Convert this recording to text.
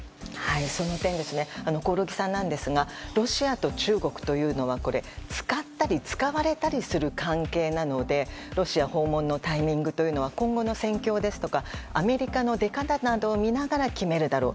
その点、興梠さんですがロシアと中国というのは使ったり使われたりする関係なのでロシア訪問のタイミングは今後の戦況ですとかアメリカの出方などを見ながら決めるだろう。